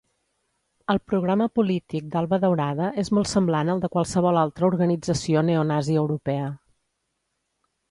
El programa polític d'Alba Daurada és molt semblant al de qualsevol altra organització neonazi europea.